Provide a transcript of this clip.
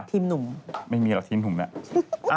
ทีมหนุ่มไม่มีหรอกทีมผมแล้ว